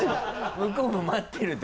向こうも待ってる。